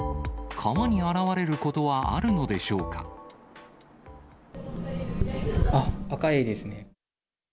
川に現れることはあるのでしょうあっ、アカエイですね。